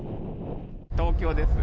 東京です。